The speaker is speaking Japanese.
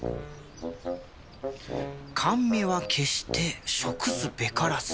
「甘味は決して食すべからず」。